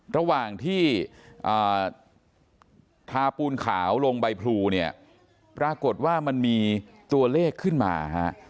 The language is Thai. ระหว่างที่ทาปูนขาวลงใบพลูเนี่ยปรากฏว่ามันมีตัวเลขขึ้นมาฮะ